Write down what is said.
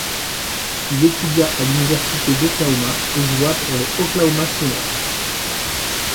Il étudia à l'Université d'Oklahoma et joua pour les Oklahoma Sooners.